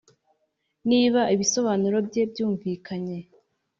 n’iba ibisobanuro bye byumvikanye